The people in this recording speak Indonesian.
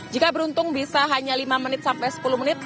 jika beruntung bisa hanya lima menit sampai sepuluh menit